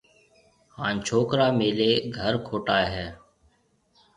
ھان ڇوڪرا ميليَ گھر کوٽائيَ ھيََََ